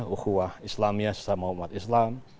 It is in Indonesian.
ukhwah islamiyah sesama umat islam